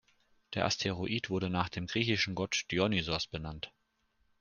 Der Asteroid wurde nach dem griechischen Gott Dionysos benannt.